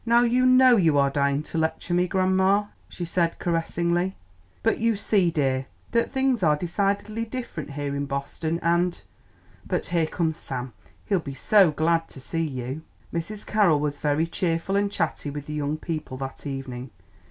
"Now you know you are dying to lecture me, grandma," she said caressingly; "but you see, dear, that things are decidedly different here in Boston, and But here comes Sam; he'll be so glad to see you." Mrs. Carroll was very cheerful and chatty with the young people that evening.